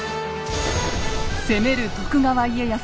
攻める徳川家康